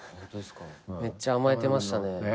めっちゃ甘えてましたね。